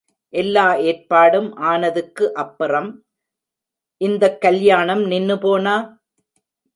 எல்லா ஏற்பாடும் ஆனதுக்கு அப்பறம் இந்தக் கல்யாணம் நின்னு போனா!